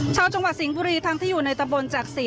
ชาวจังหวัดสิงห์บุรีทั้งที่อยู่ในตะบนจักษี